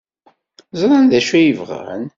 Ẓran d acu ay bɣan.